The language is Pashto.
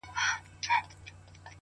پوهه د انسان لید پراخوي؛